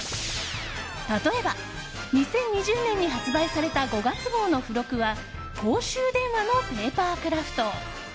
例えば、２０２０年に発売された５月号の付録は公衆電話のペーパークラフト。